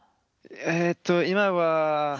えと今は。